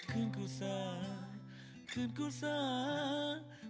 คืนกูซ้าคืนกูซ้า